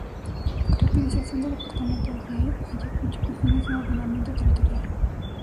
Caracterización del Departamento de Ayacucho con fines de ordenamiento Territorial.